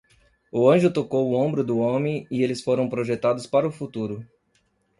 O anjo tocou o ombro do homem e eles foram projetados para o futuro.